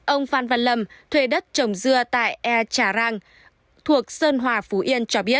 ông phan văn lâm thuê đất trồng dưa tại e trà rang thuộc sơn hòa phú yên cho biết